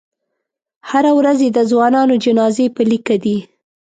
هره ورځ یې د ځوانانو جنازې په لیکه دي.